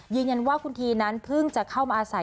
ยืนยันว่าคุณทีนั้นเพิ่งจะเข้ามาอาศัย